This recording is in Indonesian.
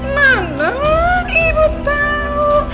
mana lah ibu tau